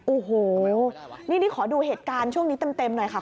โอ้โหนี่ขอดูเหตุการณ์ช่วงนี้เต็มหน่อยค่ะ